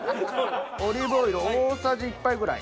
オリーブオイル大さじ１杯ぐらい。